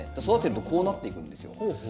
育ててるとこうなっていくんですよ。